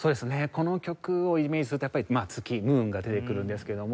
この曲をイメージするとやっぱり月ムーンが出てくるんですけども。